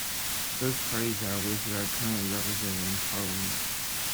Those parties that are listed are currently represented in parliament.